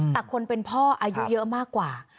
แต่คนเป็นพ่ออายุเยอะมากกว่า